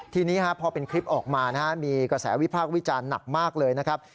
ทีนี้พอเป็นคลิปออกมามีกระแสวิพากษ์วิจารณ์หนักมากเลยนะครับ